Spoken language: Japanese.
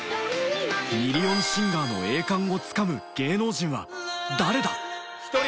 『ミリオンシンガー』の栄冠をつかむ芸能人は誰だ⁉